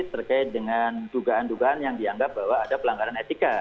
terkait dengan dugaan dugaan yang dianggap bahwa ada pelanggaran etika